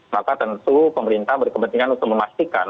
maka tentu pemerintah berkepentingan untuk memastikan